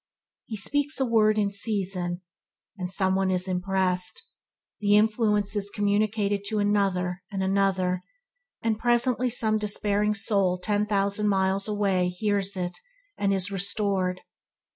He speaks a word in season, and some one is impressed; the influence is communicated to another, and another, and presently some despairing soul ten thousand miles away hears it and is restored.